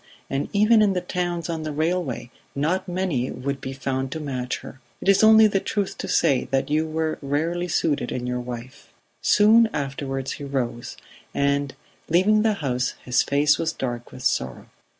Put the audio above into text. and even in the towns on the railway, not many would be found to match her. It is only the truth to say that you were rarely suited in your wife ... Soon afterwards he rose, and, leaving the house, his face was dark with sorrow.